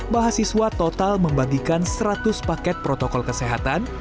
mahasiswa total membagikan seratus paket protokol kesehatan